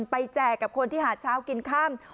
แจกกับคนที่หาเช้ากินค่ำ